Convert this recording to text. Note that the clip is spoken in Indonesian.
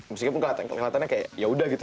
meskipun kelihatannya kayak ya udah gitu